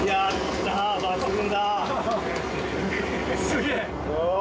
すげえ。